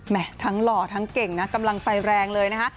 ทั้งหล่อทั้งเก่งนะกำลังไฟแรงเลยนะคะ